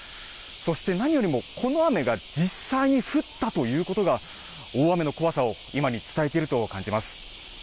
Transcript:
そして何よりもこの雨が実際に降ったということが、大雨の怖さを今に伝えていると感じます。